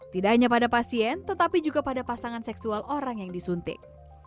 tidak hanya pada pasien tetapi juga pada pasangan seksual orang yang disuntik